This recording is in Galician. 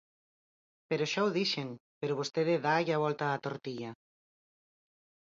Pero xa o dixen, pero vostede dálle a volta á tortilla.